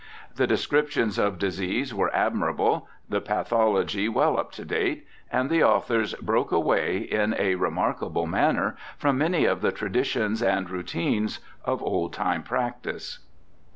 The descriptions of disease were admirable, WILLIAM PEPPER 215 the pathology well up to date, and the authors broke away in a remarkable manner from many of the tradi tions and routines of old time practice.